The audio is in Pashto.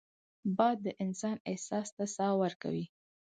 باد د انسان احساس ته ساه ورکوي